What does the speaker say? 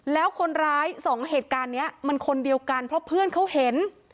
แล้วคนร้ายสองเหตุการณ์นี้มันคนเดียวกันเพราะเพื่อนเขาเห็น